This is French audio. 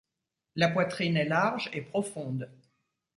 La poitrine est large et profonde.